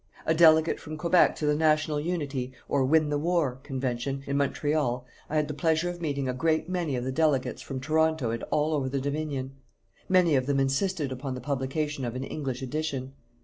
A delegate from Quebec to the National Unity or Win the War Convention, in Montreal, I had the pleasure of meeting a great many of the delegates from Toronto and all over the Dominion. Many of them insisted upon the publication of an English edition.